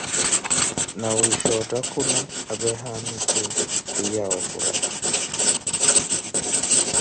Nawisha otthakula, apee haamitu kwiiya wa ofurahi.